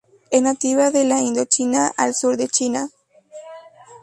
Es nativa de Indochina al sur de China.